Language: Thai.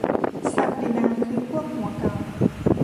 ศักดินาคือพวกหัวเก่า ?